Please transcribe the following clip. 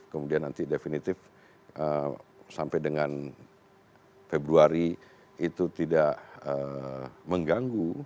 kemudian nanti definitif sampai dengan februari itu tidak mengganggu